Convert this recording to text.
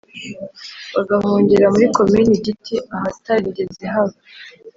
bagahungira muri Komini Giti ahatarigeze haba